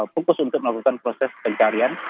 fokus untuk melakukan proses pencarian